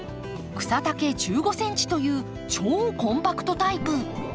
草丈１５ｃｍという超コンパクトタイプ。